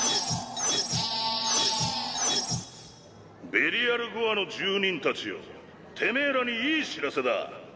ベリアル・ゴアの住人たちよてめぇらにいい知らせだ。